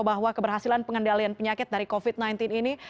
bahwa keberhasilan pengendalian penyakit dari covid sembilan belas ini